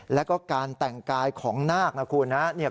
แล้วก็การแต่งกายของนาคนะคุณนะ